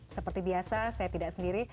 seperti biasa saya tidak sendiri